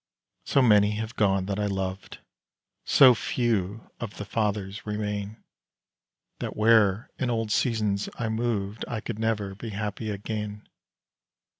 So many have gone that I loved So few of the fathers remain, That where in old seasons I moved I could never be happy again.